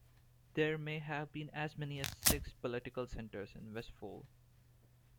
There may have been as many as six political centers in Vestfold.